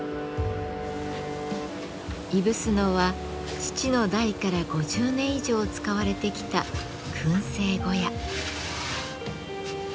いぶすのは父の代から５０年以上使われてきた燻製小屋。